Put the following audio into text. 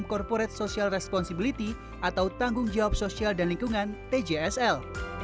corporate social responsibility atau tanggung jawab sosial dan lingkungan tjsl